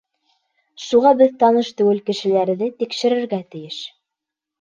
Шуға беҙ таныш түгел кешеләрҙе тикшерергә тейеш.